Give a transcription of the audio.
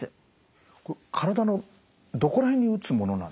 体のどこら辺に打つものなんですか？